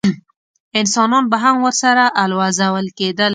انسانان به هم ورسره الوزول کېدل.